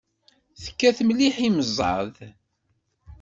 Tekkat mliḥ imẓad.